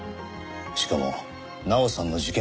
しかも奈緒さんの事件